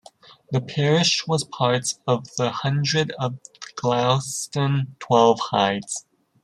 The parish was part of the hundred of Glaston Twelve Hides.